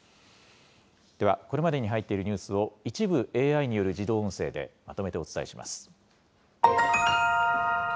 では、これまでに入っているニュースを、一部、ＡＩによる自動音声でまとめてお伝えします。